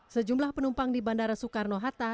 sejumlah penumpang di bandara soekarno hatta